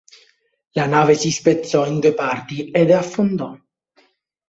La nave si spezzò in due parti ed affondò.